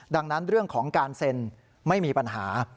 ดังนั้นเรื่องของการเซ็นไม่มีปัญหา